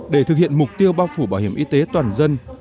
để thực hiện mục tiêu bao phủ bảo hiểm y tế toàn dân